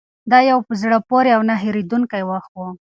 دا یو په زړه پورې او نه هېرېدونکی وخت و.